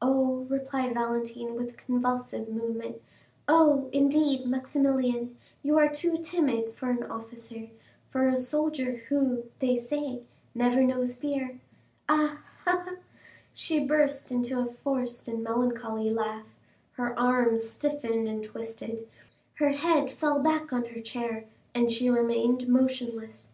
"Oh," replied Valentine with a convulsive movement, "oh, indeed, Maximilian, you are too timid for an officer, for a soldier who, they say, never knows fear. Ha, ha, ha!" She burst into a forced and melancholy laugh, her arms stiffened and twisted, her head fell back on her chair, and she remained motionless.